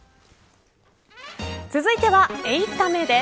続いては８タメです。